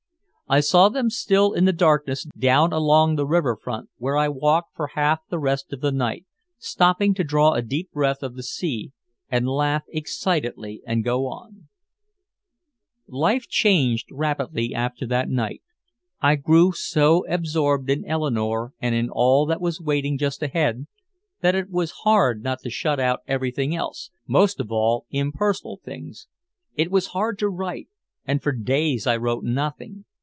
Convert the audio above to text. I saw them still in the darkness down along the river front, where I walked for half the rest of the night, stopping to draw a deep breath of the sea and laugh excitedly and go on. Life changed rapidly after that night. I grew so absorbed in Eleanore and in all that was waiting just ahead, that it was hard not to shut out everything else, most of all impersonal things. It was hard to write, and for days I wrote nothing.